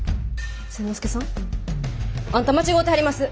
千之助さんあんた間違うてはります。